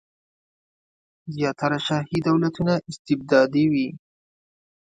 زیاتره شاهي دولتونه استبدادي وي.